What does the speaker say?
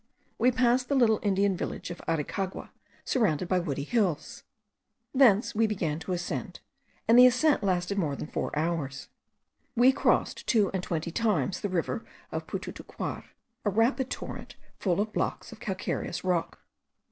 We passed the little Indian village of Aricagua surrounded by woody hills. Thence we began to ascend, and the ascent lasted more than four hours. We crossed two and twenty times the river of Pututucuar, a rapid torrent, full of blocks of calcareous rock.